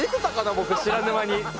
僕知らぬ間に。